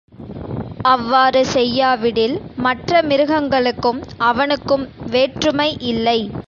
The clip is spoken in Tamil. அவ்வாறு செய்யாவிடில், மற்ற மிருகங்களுக்கும் அவனுக்கும் வேற்றுமை யில்லை.